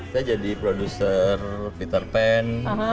saya jadi produser peter pan